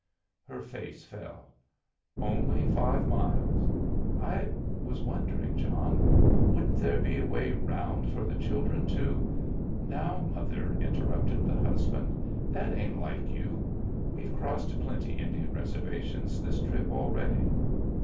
Her face fell. "Only five miles! I was wondering, John Wouldn't there be a way round for the children to " "Now, mother," interrupted the husband, "that ain't like you. We've crossed plenty Indian reservations this trip already."